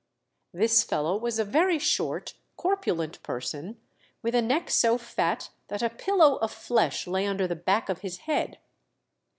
This fellow was a very short, cor pulent person, with a neck so fat that a pillow of flesh lay under the back of his head.